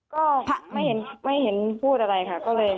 ก็ไม่เห็นพูดอะไรค่ะก็เลย